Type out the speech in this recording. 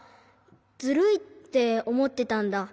ズルいっておもってたんだ。